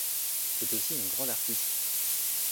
C'est aussi une grande artiste.